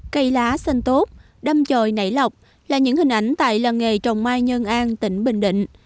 cây lá sân tốt đâm trời nảy lọc là những hình ảnh tại làng nghề trồng mai nhơn an tỉnh bình định